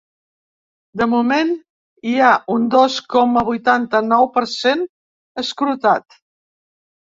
De moment, hi ha un dos coma vuitanta-nou per cent escrutat.